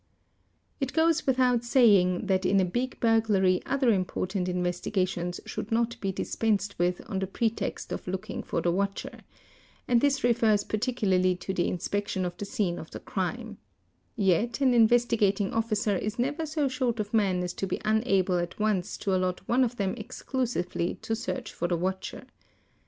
It goes without saying that in a big burglary other important investi gations should not be dispensed with on the pretext of looking for the watcher, and this refers particularly to the inspection of the scene of the crime; yet an Investigating Officer is never so short of men as to be unable at once to allot one of them exclusively to search for the watcher.